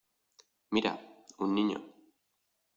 ¡Mira! un niño.